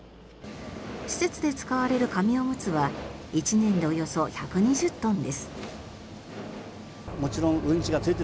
施設で使われる紙おむつは１年でおよそ１２０トンです。